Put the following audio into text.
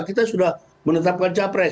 kita sudah menetapkan capres